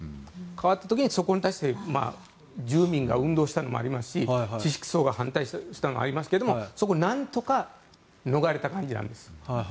代わった時に、そこに対して住民が運動したのもありますし知識層が反対したのもありますがそこをなんとか逃れた感じなんです。